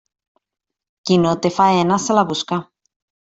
Qui no té faena, se la busca.